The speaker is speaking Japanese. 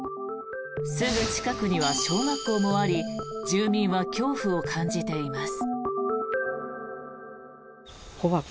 すぐ近くには小学校もあり住民は恐怖を感じています。